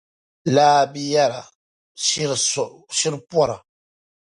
Laabira yi yɛda shiri pɔra!